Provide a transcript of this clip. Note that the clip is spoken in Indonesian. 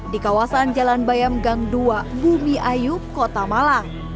di kawasan jalan bayam gang dua bumi ayu kota malang